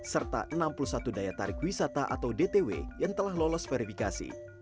serta enam puluh satu daya tarik wisata atau dtw yang telah lolos verifikasi